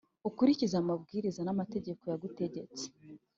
ukurikize amabwiriza n’amategeko yagutegetse,